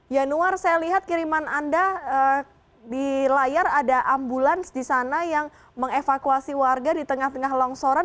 yanuar saya lihat kiriman anda di layar ada ambulans di sana yang mengevakuasi warga di tengah tengah longsoran